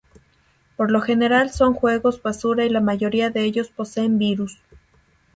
Por lo general son juegos basura y la mayoría de ellos poseen virus.